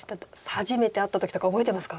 初めて会った時とか覚えてますか？